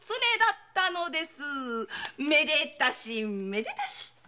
めでたしめでたし。